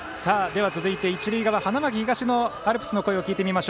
続いては一塁側、花巻東のアルプスの声を聞きます。